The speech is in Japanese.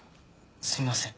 すいません。